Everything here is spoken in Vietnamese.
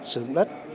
sử dụng đất